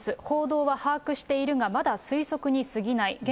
報道は把握しているが、まだ推測にすぎない。